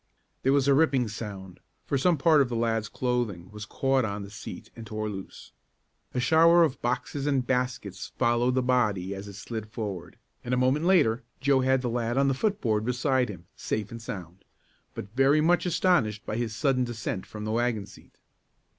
There was a ripping sound, for some part of the lad's clothing was caught on the seat and tore loose. A shower of boxes and baskets followed the body as it slid forward, and a moment later Joe had the lad on the foot board beside him, safe and sound, but very much astonished by his sudden descent from the wagon seat.